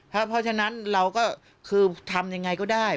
เพราะฉะนั้นเราก็คือทำยังไงก็ได้